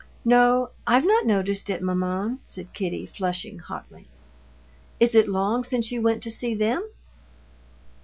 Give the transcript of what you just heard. "No, I've not noticed it, maman," said Kitty, flushing hotly. "Is it long since you went to see them?"